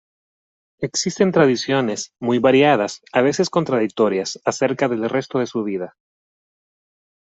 Existen tradiciones, muy variadas, a veces contradictorias, acerca del resto de su vida.